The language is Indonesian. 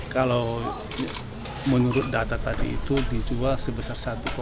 kalau menurut data tadi itu dijual sebesar satu